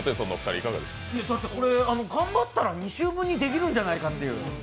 頑張ったら２週分にできるんじゃないかっていう。